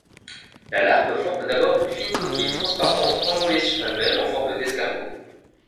La larve forme d'abord une fine coquille transparente, enroulée sur elle-même en forme d'escargot.